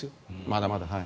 まだまだ。